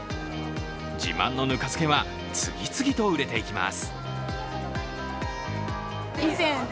自慢のぬか漬けは次々と売れていきます。